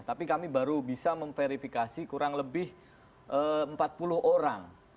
tapi kami baru bisa memverifikasi kurang lebih empat puluh orang